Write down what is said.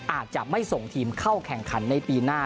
อาจจะไม่ส่งทีมเข้าแข่งขันในปีหน้า